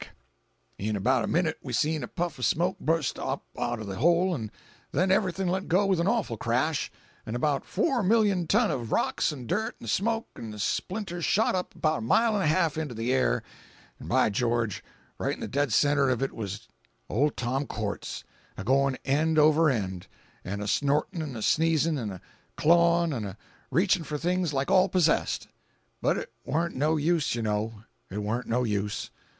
jpg (89K) "In 'bout a minute we seen a puff of smoke bust up out of the hole, 'n' then everything let go with an awful crash, 'n' about four million ton of rocks 'n' dirt 'n' smoke 'n; splinters shot up 'bout a mile an' a half into the air, an' by George, right in the dead centre of it was old Tom Quartz a goin' end over end, an' a snortin' an' a sneez'n', an' a clawin' an' a reachin' for things like all possessed. But it warn't no use, you know, it warn't no use.